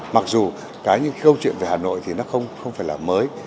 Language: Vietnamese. mặc dù cái những câu chuyện về hà nội thì nó không phải là mới